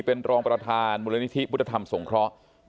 เป็นรองประธานมูลนิธิพุทธธรรมสงเคราะห์